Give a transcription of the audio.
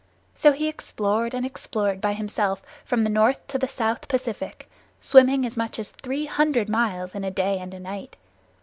So he explored and explored by himself from the North to the South Pacific, swimming as much as three hundred miles in a day and a night.